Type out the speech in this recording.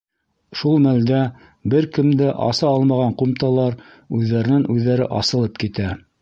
Шул мәлдә бер кем дә аса алмаған ҡумталар үҙҙәренән-үҙҙәре асылып китә.